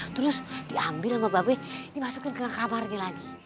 terus diambil sama bape dimasukin ke kamarnya lagi